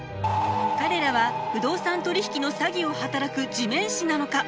彼らは不動産取引の詐欺を働く地面師なのか？